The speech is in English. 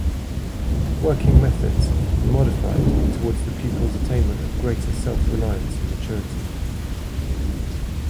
Working methods are modified towards the pupil's attainment of greater self-reliance and maturity.